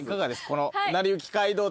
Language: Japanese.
この。